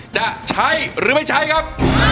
จะใช้หรือไม่ใช้ครับ